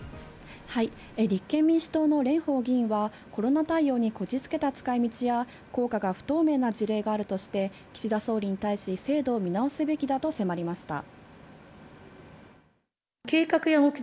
立憲民主党の蓮舫議員はコロナ対応にこじつけた使い道や効果が不透明な事例があるとして、岸田総理に対し、制度を見直すべきだと迫りました。